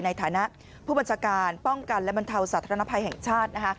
ในฐานะผู้บัญชาการป้องกันและบรรเทาสาธารณภัยแห่งชาตินะคะ